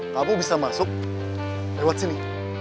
kamu bisa masuk lewat sini